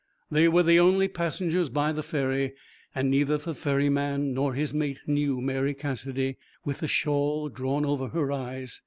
They were the only passengers by the ferry, and neither the ferryman nor his mate knew Mary Cassidy, with the shawl drawn over her eyes.